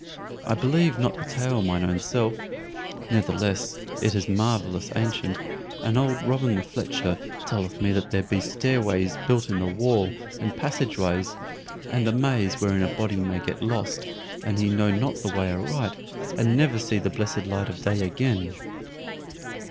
I believe not the tale mine own self; ne'theless, it is marvellous ancient, and old Robin the Fletcher telleth me that there be stairways built in the wall and passage ways, and a maze wherein a body may get lost, an he know not the way aright, and never see the blessed light of day again."